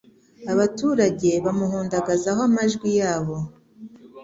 abaturage bamuhundagazaho amajwi yabo